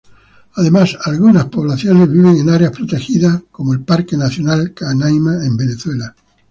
Además, algunas poblaciones viven en áreas protegidas, como el Parque Nacional Canaima en Venezuela.